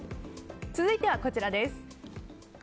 続いてはこちらです。